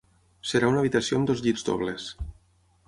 Serà una habitació amb dos llits dobles.